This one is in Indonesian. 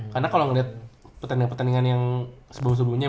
karena kalo liat petandingan petandingan yang sebelumnya